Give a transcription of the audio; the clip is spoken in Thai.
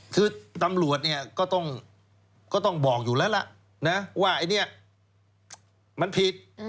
คือตำรวจเนี่ยก็ต้องบอกอยู่แล้วล่ะนะว่าไอ้เนี่ยมันผิด